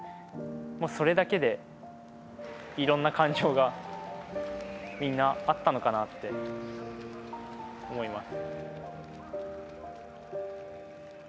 もうそれだけでいろんな感情がみんなあったのかなって思います。